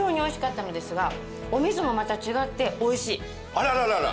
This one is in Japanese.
あらららら！